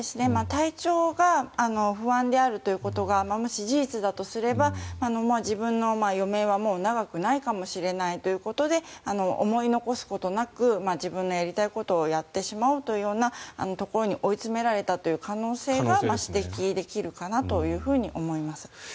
体調が不安であるということがもし事実だとすれば自分の余命はもう長くないかもしれないということで思い残すことなく自分のやりたいことをやってしまうというところに追い詰められたという可能性は指摘できるかなと思います。